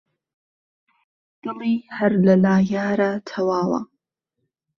دڵی هەر لە لا یارە تەواوە